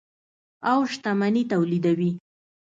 او شتمني تولیدوي.